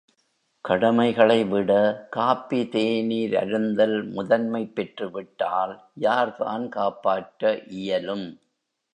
கடமைகளைவிட coffee, தேநீர் அருந்தல் முதன்மைப் பெற்றுவிட்டால் யார்தான் காப்பாற்ற இயலும்.